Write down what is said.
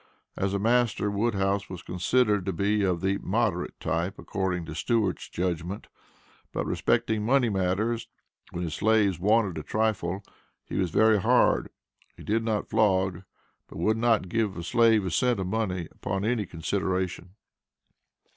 As a master, Woodhouse was considered to be of the "moderate" type, according to Stewart's judgment. But respecting money matters (when his slaves wanted a trifle), "he was very hard. He did not flog, but would not give a slave a cent of money upon any consideration."